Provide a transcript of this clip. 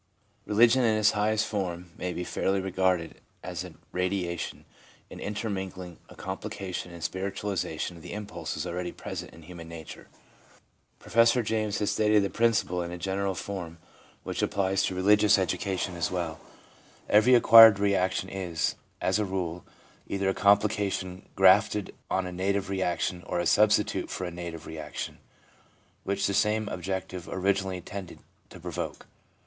Religion in its highest form may fairly be regarded as a radiation, an intermingling, a complication and spiritualisation of the impulses already present in human nature. Professor James has stated the prin ciple in a general form, which applies to religious education as well. i Every acquired reaction is, as a rule, either a complication grafted on a native reaction, or a substitute for a native reaction, which the same object originally tended to provoke.